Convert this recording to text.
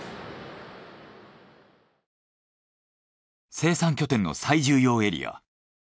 生産拠点の最重要エリア。